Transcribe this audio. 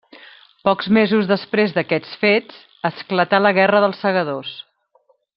Pocs mesos després d'aquests fets esclatà la guerra dels Segadors.